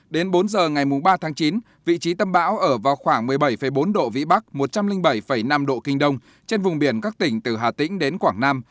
đến bốn giờ ngày ba tháng chín vị trí tâm bão ở vào khoảng một mươi bảy bốn độ vĩ bắc một trăm linh bảy năm độ kinh đông trên vùng biển các tỉnh từ hà tĩnh đến quảng nam